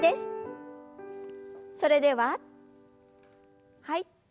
それでははい。